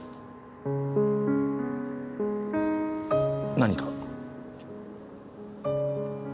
何か？